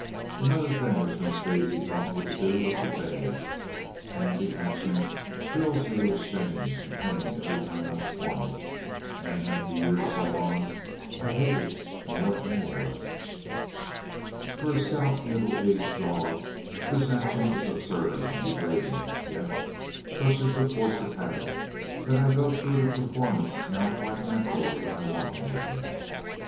Another thing which Miss Daisy taught me to do was to beg; and the action fills me with shame and pain every time I perform it, and as the years go on I hate it more and more. For a stout, middle aged dog, the action is absurd and degrading. Yet, such is the force of habit, that I go through the performance now quite naturally whenever I want anything.